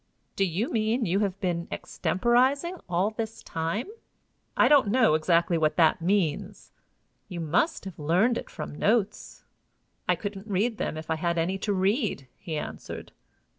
"Do you mean you have been extemporizing all this time?" "I don't know exactly what that means." "You must have learned it from notes?" "I couldn't read them if I had any to read," he answered.